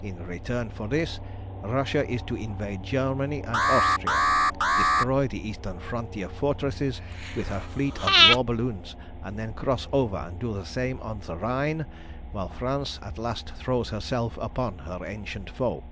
In return for this, Russia is to invade Germany and Austria, destroy the eastern frontier fortresses with her fleet of war balloons, and then cross over and do the same on the Rhine, while France at last throws herself upon her ancient foe.